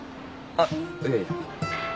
あっいやいや。